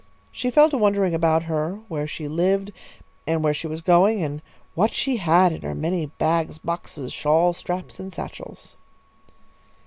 She fell to wondering about her, where she lived and where she was going, and what she had in her many bags, boxes, shawl straps, and satchels.